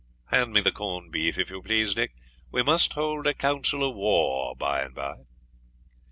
Hand me the corned beef, if you please, Dick. We must hold a council of war by and by.'